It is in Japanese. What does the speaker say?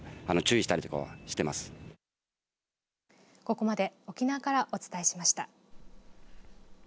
ここまで沖縄からお伝えしました。